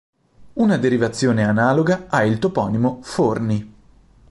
Una derivazione analoga ha il toponimo Forni.